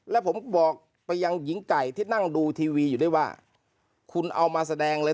แล้วผมบอกไปยังหญิงไก่ที่นั่งดูทีวีอยู่ด้วยว่าคุณเอามาแสดงเลย